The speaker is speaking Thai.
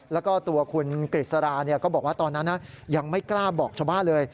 แล้วก็ตัวคุณกฤษราก็บอกว่าตอนนั้นยังไม่กล้าบอกชาวบ้านเลย